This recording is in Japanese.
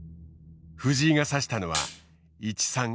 藤井が指したのは１三角成。